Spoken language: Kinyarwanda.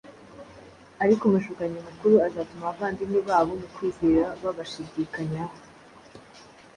ariko umushukanyi mukuru azatuma abavandimwe babo mu kwizera babashidikanyaho